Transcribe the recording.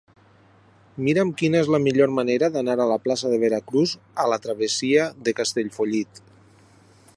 Mira'm quina és la millor manera d'anar de la plaça de Veracruz a la travessia de Castellfollit.